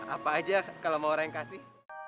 apa aja kalau mau orang yang kasih